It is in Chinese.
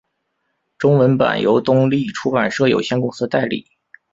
中文版由东立出版社有限公司代理。